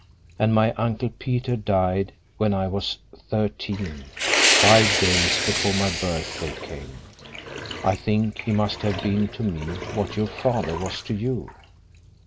And my Uncle Peter died when I was thirteen, five days before my birthday came. I think he must have been to me what your father was to you."